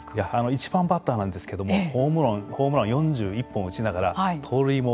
１番バッターなんですけれどもホームラン４１本を打ちながら盗塁も７３個できた。